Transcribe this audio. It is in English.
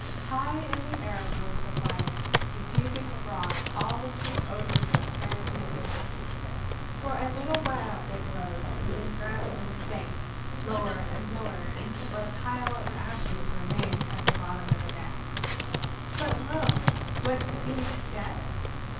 High in the air rose the fire, diffusing abroad all the sweet odors of Araby the blest. For a little while it glowed, then gradually sank, lower and lower, until but a pile of ashes remained at the bottom of the nest. But lo! Was the Phoenix dead?